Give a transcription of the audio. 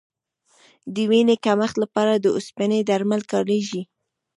د وینې کمښت لپاره د اوسپنې درمل کارېږي.